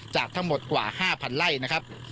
จากทั้งหมดกว่า๕๐๐ไร่นะครับ